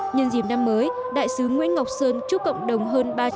nhân dìm năm mới đại sứ nguyễn ngọc sơn chúc cộng đồng hơn